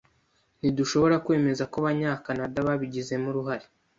Ntidushobora kwemeza ko Abanyakanada babigizemo uruhare.